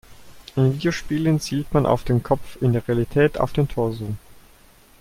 In Videospielen zielt man auf den Kopf, in der Realität auf den Torso.